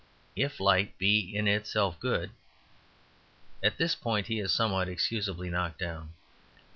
If Light be in itself good " At this point he is somewhat excusably knocked down.